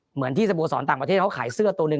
เหมือนที่สโมสรต่างประเทศเขาขายเสื้อตัวหนึ่ง